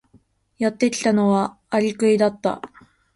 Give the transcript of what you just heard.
やってきたのはアリクイだった。